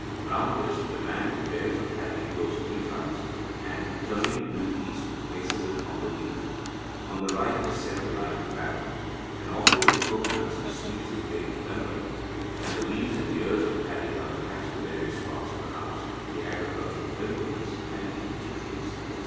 Round this the man who bears the paddy goes three times, and, turning due east, places it on the leaf. On the right is set the lighted lamp. An offering of cocoanuts and sweets is made to Ganapathi, and the leaves and ears of paddy are attached to various parts of the house, the agricultural implements, and even to trees.